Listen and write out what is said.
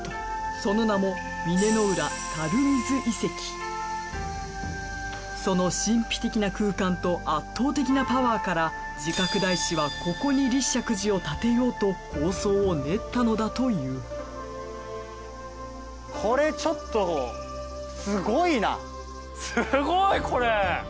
その名もその神秘的な空間と圧倒的なパワーから慈覚大師はここに立石寺を建てようと構想を練ったのだというすごいこれ！